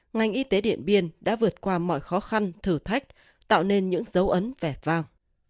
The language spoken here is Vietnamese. ngành y tế điện biên đã vượt qua mọi khó khăn thử thách tạo nên những dấu ấn vẻ vang